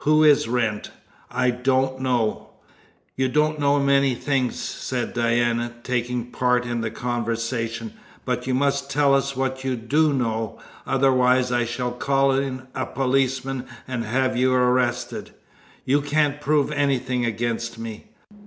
"Who is Wrent?" "I don't know." "You don't know many things," said Diana, taking part in the conversation, "but you must tell us what you do know, otherwise I shall call in a policeman and have you arrested." "You can't prove anything against me."